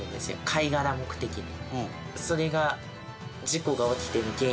貝殻目的で。